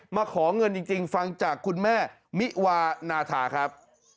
มาขอเงินจริงฟังจากคุณแม่มิวานาธาครับ